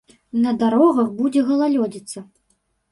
На дарогах будзе галалёдзіца.